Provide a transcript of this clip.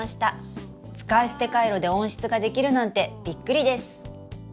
使い捨てカイロで温室ができるなんてビックリです。